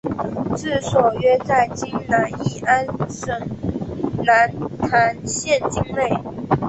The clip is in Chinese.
治所约在今越南乂安省南坛县境内。